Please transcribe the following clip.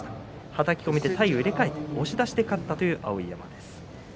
はたき込みで体を入れ替えて押し出しで勝ったという碧山。